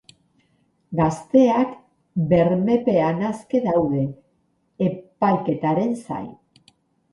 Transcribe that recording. Gazteak bermepean aske daude, epaiketaren zain.